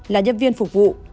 là nhân viên phục vụ